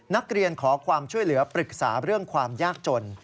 นักเรียนขอความช่วยเหลือปรึกษาเรื่องความยากจน